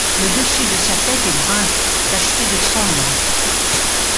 Le dessus de sa tête est brun tacheté de sombre.